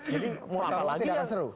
jadi kalau tidak akan seru